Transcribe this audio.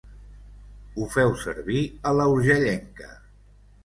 Ho feu servir a la urgellenca.